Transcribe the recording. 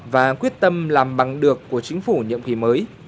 và quyết tâm làm bằng được của chính phủ nhiệm kỳ mới